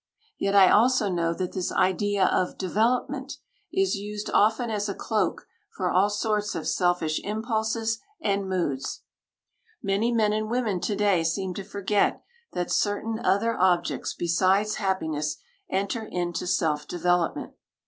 Yet I also know that this idea of "development" is used often as a cloak for all sorts of selfish impulses and moods. Many men and women to day seem to forget that certain other objects besides happiness enter into self development.